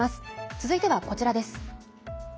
続いてはこちらです。